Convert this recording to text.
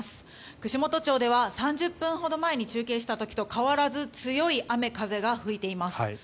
串本町では３０分ほど前に中継した時と変わらず強い雨風が吹いています。